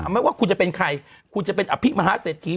ไม่ว่าคุณจะเป็นใครคุณจะเป็นอภิมหาเศรษฐี